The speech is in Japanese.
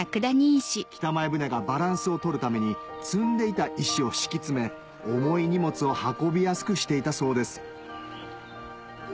北前船がバランスを取るために積んでいた石を敷き詰め重い荷物を運びやすくしていたそうです